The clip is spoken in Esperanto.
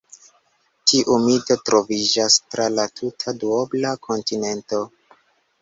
Tiu mito troviĝas tra la tuta duobla kontinento.